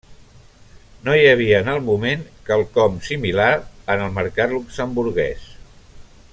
No hi havia en el moment quelcom similar en el mercat luxemburguès.